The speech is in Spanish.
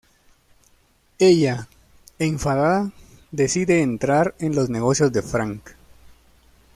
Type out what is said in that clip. Ella, enfadada, decide entrar en los negocios de Frank.